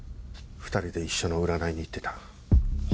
２人で一緒の占いに行ってた。